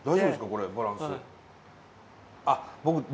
これバランス。